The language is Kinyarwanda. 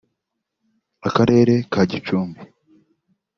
Akarere ka Gicumbi